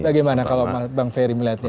bagaimana kalau bang ferry melihatnya